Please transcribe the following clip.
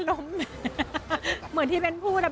ลังเลว่าเอาไงดี